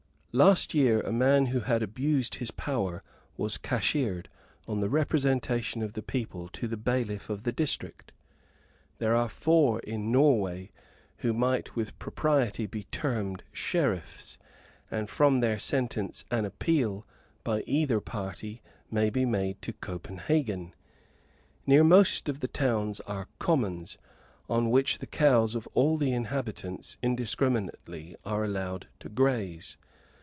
Last year a man who had abused his power was cashiered, on the representation of the people to the bailiff of the district. There are four in Norway who might with propriety be termed sheriffs; and from their sentence an appeal, by either party, may be made to Copenhagen. Near most of the towns are commons, on which the cows of all the inhabitants, indiscriminately, are allowed to graze.